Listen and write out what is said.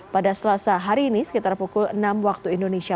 pada selasa hari ini sekitar pukul enam waktu indonesia